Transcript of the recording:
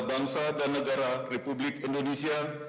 bangsa dan negara republik indonesia